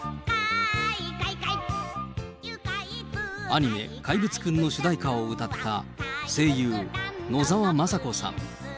アニメ、怪物くんの主題歌を歌った声優、野沢雅子さん。